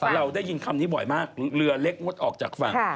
เรือเล็กนกงดออกจากฝั่ง